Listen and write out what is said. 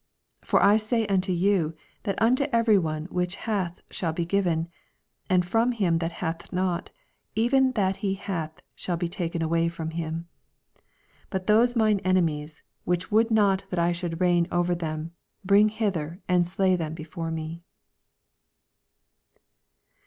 26 For I say unto you, That unto every one which hath shall be given ; and from him that hath not, even that he hath shall be taken away from him. 27 But those mine enemies, which would not that I should reign over them, bring hither, and slay them before me.